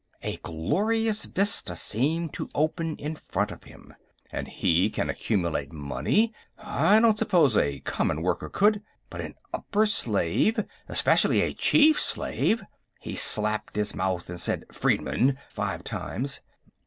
A glorious vista seemed to open in front of him. "And he can accumulate money. I don't suppose a common worker could, but an upper slave.... Especially a chief slave...." He slapped his mouth, and said, "Freedman!" five times.